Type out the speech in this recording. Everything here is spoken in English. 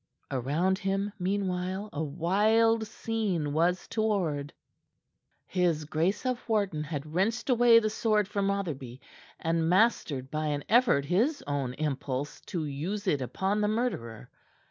Around him, meanwhile, a wild scene was toward. His Grace of Wharton had wrenched away the sword from Rotherby, and mastered by an effort his own impulse to use it upon the murderer.